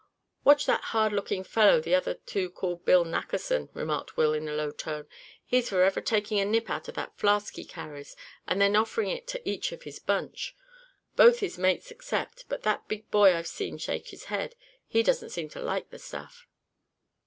"Watch that hard looking fellow the other two call Bill Nackerson," remarked Will, in a low tone. "He's forever taking a nip out of a flask he carries, and then offering it to each one of the bunch. Both his mates accept, but that big boy I've seen shake his head. He doesn't seem to like the stuff."